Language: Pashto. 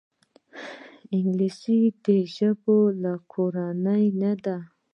انګلیسي د ژبو له کورنۍ نه ده